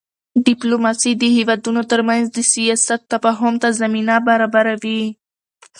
ډیپلوماسي د هېوادونو ترمنځ د سیاست تفاهم ته زمینه برابروي.